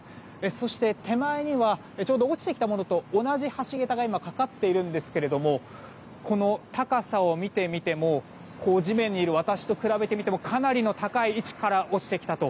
そして、手前にはちょうど落ちてきたものと同じ橋桁が今、架かっているんですけれどもこの高さを見てみても地面にいる私と比べてみてもかなりの高い位置から落ちてきたと。